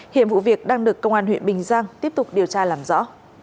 hiện vụ việc đang được công an huyện bình giang tiếp tục điều tra làm rõ